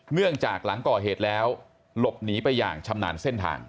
เนื่องจากหลังก่อเหตุแล้วหลบหนีไปอย่างชำนาญเส้นทาง